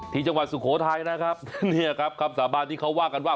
ที่จังหวัดสุโขทัยนะครับเนี่ยครับคำสาบานที่เขาว่ากันว่า